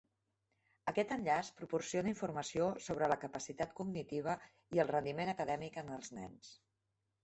Aquest enllaç proporciona informació sobre la capacitat cognitiva i el rendiment acadèmic en els nens.